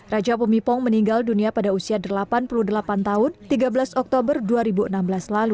raja pemipong meninggal dunia pada usia delapan puluh delapan tahun tiga belas oktober dua ribu enam belas lalu